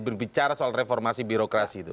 berbicara soal reformasi birokrasi itu